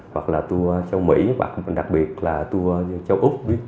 hoặc là tour châu mỹ hoặc đặc biệt là tour như châu úc